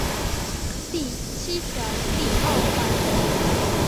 第七条第二款